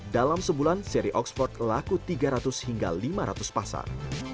dalam sebulan seri oxford laku tiga ratus hingga lima ratus pasar